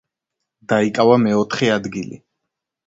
დაიკავა მეოთხე ადგილი.